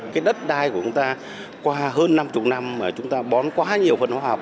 cái đất đai của chúng ta qua hơn năm mươi năm mà chúng ta bón quá nhiều phần hóa học